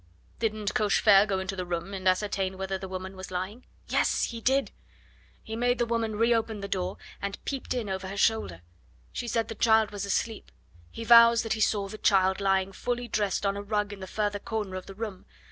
'" "Didn't Cochefer go into the room and ascertain whether the woman was lying?" "Yes, he did! He made the woman re open the door and peeped in over her shoulder. She said the child was asleep. He vows that he saw the child lying fully dressed on a rug in the further corner of the room.